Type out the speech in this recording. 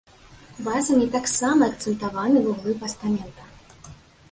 Вазамі таксама акцэнтаваны вуглы пастамента.